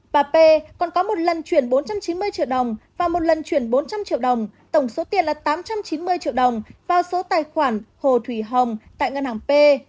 bà p còn có một lần chuyển bốn trăm chín mươi triệu đồng và một lần chuyển bốn trăm linh triệu đồng tổng số tiền là tám trăm chín mươi triệu đồng vào số tài khoản hồ thủy hồng tại ngân hàng p